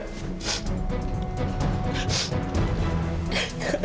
gak ada yang boleh bilang